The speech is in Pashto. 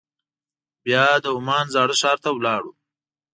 بیا د عمان زاړه ښار ته لاړو.